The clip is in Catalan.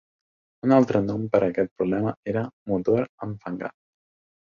Un altre nom per a aquest problema era "motor enfangat".